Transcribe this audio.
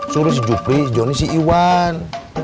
suruh si jupri si joni si iwan